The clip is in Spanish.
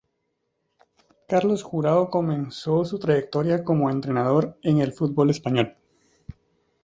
Carlos Jurado comenzó su trayectoria como entrenador en el fútbol español.